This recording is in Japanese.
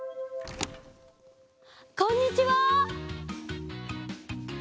こんにちは。